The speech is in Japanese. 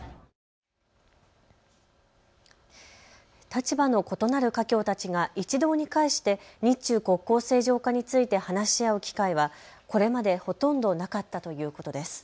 立場の異なる華僑たちが一堂に会して日中国交正常化について話し合う機会はこれまでほとんどなかったということです。